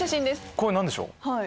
これ何でしょう？